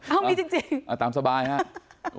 อ้าวมีจริงจริงอ่าตามสบายค่ะ